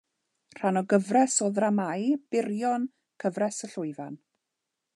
Rhan o gyfres o ddramâu byrion Cyfres y Llwyfan.